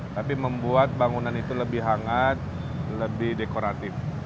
tapi membuat bangunan itu lebih hangat lebih dekoratif